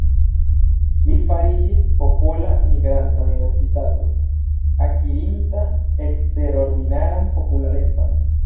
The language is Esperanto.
Li fariĝis popola "migranta universitato", akirinta eksterordinaran popularecon.